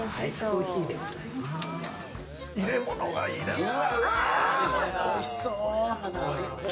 入れ物がいいですね！